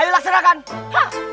ayolah serahkan hah